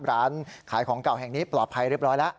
ร้านขายของเก่าแห่งนี้ปลอดภัยเรียบร้อยแล้ว